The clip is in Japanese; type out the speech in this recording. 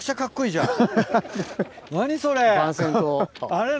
何それ！